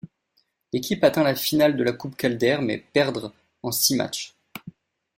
L'équipe atteint la finale de la Coupe Calder mais perdre en six matchs.